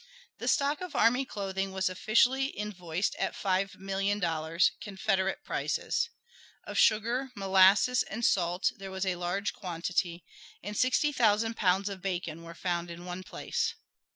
The stock of army clothing was officially invoiced at five million dollars Confederate prices. Of sugar, molasses, and salt there was a large quantity, and sixty thousand pounds of bacon were found in one place.